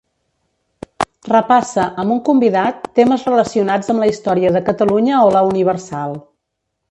Repassa, amb un convidat, temes relacionats amb la història de Catalunya o la Universal.